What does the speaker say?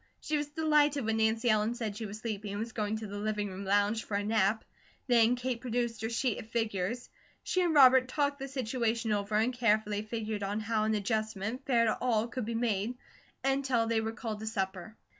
She was delighted when Nancy Ellen said she was sleepy, and was going to the living room lounge for a nap. Then Kate produced her sheet of figures. She and Robert talked the situation over and carefully figured on how an adjustment, fair to all, could be made, until they were called to supper.